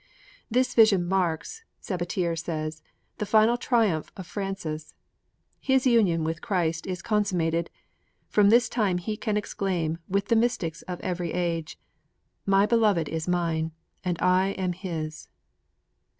'This vision marks,' Sabatier says, 'the final triumph of Francis. His union with Christ is consummated; from this time he can exclaim with the mystics of every age, "My beloved is mine and I am His."